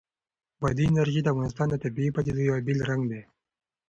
بادي انرژي د افغانستان د طبیعي پدیدو یو بېل رنګ دی.